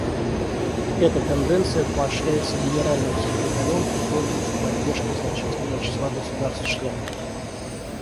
Эта тенденция поощряется Генеральным секретарем и пользуется поддержкой значительного числа государств-членов.